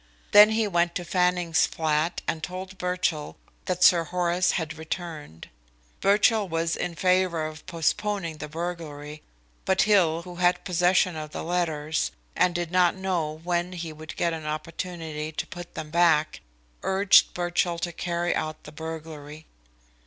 Then he went to Fanning's flat and told Birchill that Sir Horace had returned. Birchill was in favour of postponing the burglary, but Hill, who had possession of the letters, and did not know when he would get an opportunity to put them back, urged Birchill to carry out the burglary.